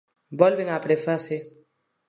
Volven á prefase.